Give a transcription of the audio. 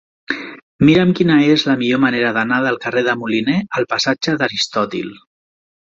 Mira'm quina és la millor manera d'anar del carrer de Moliné al passatge d'Aristòtil.